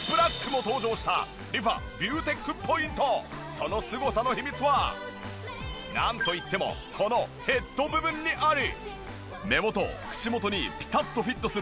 そのすごさの秘密はなんといってもこのヘッド部分にあり。